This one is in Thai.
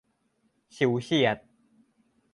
ฉิวเฉียด